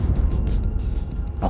gak ada apa apa